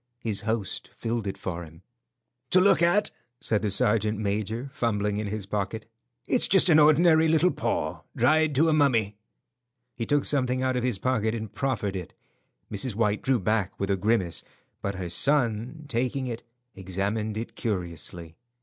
His host filled it for him. "To look at," said the sergeant major, fumbling in his pocket, "it's just an ordinary little paw, dried to a mummy." He took something out of his pocket and proffered it. Mrs. White drew back with a grimace, but her son, taking it, examined it curiously.